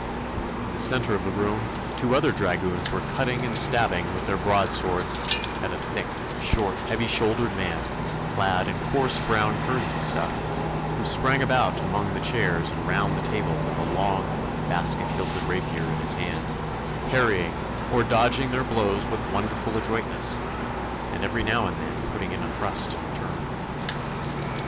In the centre of the room two other dragoons were cutting and stabbing with their broad swords at a thick, short, heavy shouldered man, clad in coarse brown kersey stuff, who sprang about among the chairs and round the table with a long basket hilted rapier in his hand, parrying or dodging their blows with wonderful adroitness, and every now and then putting in a thrust in return.